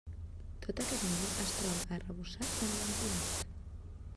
Tot aquest mur es troba arrebossat i emblanquinat.